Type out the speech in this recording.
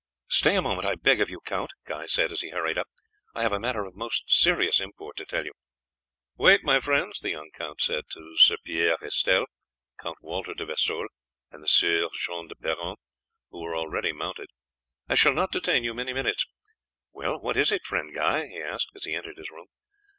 "Stay a moment I beg of you, Count," Guy said as he hurried up, "I have a matter of most serious import to tell you." "Wait, my friends," the young count said to Sir Pierre Estelle, Count Walter de Vesoul, and the Sieur John de Perron, who were already mounted; "I shall not detain you many minutes." "Well, what is it, friend Guy?" he asked as he entered his room.